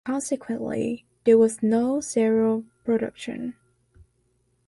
Consequently, there was no serial production.